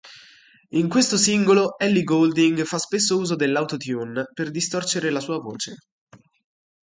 In questo singolo Ellie Goulding fa spesso uso dell'Auto-Tune per distorcere la sua voce.